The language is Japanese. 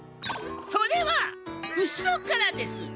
それはうしろからです。